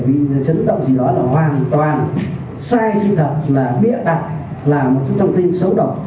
bị chấn động gì đó là hoàn toàn sai sinh thật là bia đặc là một thông tin xấu độc